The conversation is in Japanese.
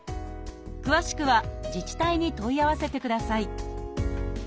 詳しくは自治体に問い合わせてください